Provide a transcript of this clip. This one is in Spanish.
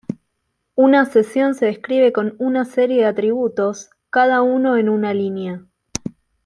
Una sesión se describe con una serie de atributos, cada uno en una línea.